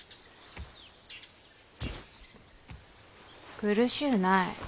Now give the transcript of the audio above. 苦しうない。